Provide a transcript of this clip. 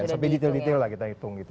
tapi di titil titil lah kita hitung gitu